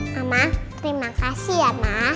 mama terima kasih ya mak